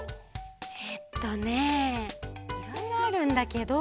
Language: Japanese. えっとねいろいろあるんだけど。